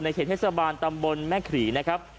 เขตเทศบาลตำบลแม่ขรีนะครับ